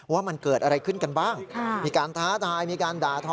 ว่ามันเกิดอะไรขึ้นกันบ้างมีการท้าทายมีการด่าทอ